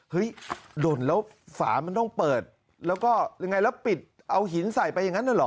เห้ยลงร้านแล้วฝามันต้องเปิดแล้วพิดเอาหินใส่ไปอย่างนั้นหรอ